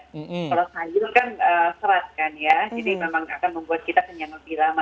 kalau sayur kan serat kan ya jadi memang akan membuat kita kenyang lebih lama